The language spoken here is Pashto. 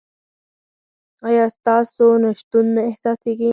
ایا ستاسو نشتون نه احساسیږي؟